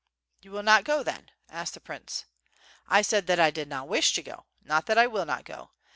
"You will not go then?" asked the prince. "I said that I did not wish to go, not that I will not go.